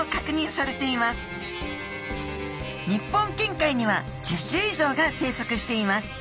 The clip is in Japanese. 日本近海には１０種以上が生息しています。